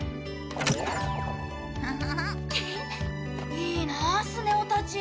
いいなあスネ夫たち。